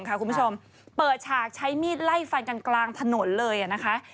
คุณผู้ชมเปิดฉากใช้มีดไล่ฟันกันกลางถนนเลยนะคะ